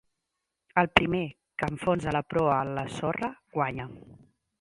El primer que enfonsa la proa en la sorra guanya.